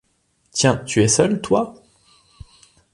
Tiens, tu es seule, toi ?